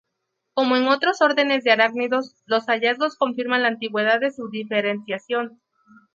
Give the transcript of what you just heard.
Como en otros órdenes de arácnidos, los hallazgos confirman la antigüedad de su diferenciación.